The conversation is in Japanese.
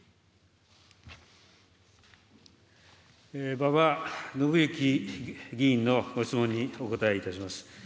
馬場伸幸議員のご質問にお答えいたします。